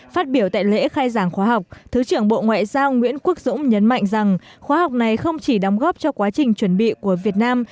phát biểu tại lễ khai giảng khóa học thứ trưởng bộ ngoại giao nguyễn quốc dũng nhấn mạnh rằng khóa học này không chỉ đóng góp cho quá trình chuẩn bị của việt nam